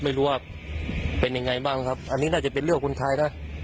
ไม่รู้ว่าเป็นยังไงบ้างครับอันนี้น่าจะเป็นเรื่องคนไทยนะ